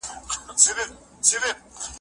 د هغه ځلمي بدن په لوګي تور دی